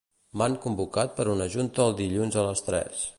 M'han convocat per una junta el dilluns a les tres.